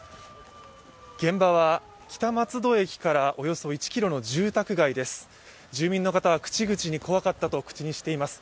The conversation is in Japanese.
現場は北松戸駅からおよそ１ｋｍの住宅街です。